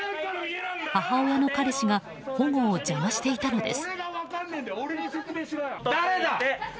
母親の彼氏が保護を邪魔していたのです。